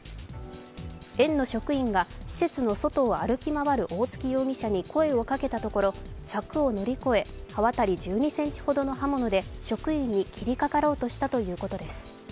園の職員が施設の外を歩き回る大槻容疑者に声をかけたところ、柵を乗り越え刃渡り１２ｃｍほどの刃物で職員に切りかかろうとしたということです。